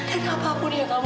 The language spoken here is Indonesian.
amira kamu harus berhati hati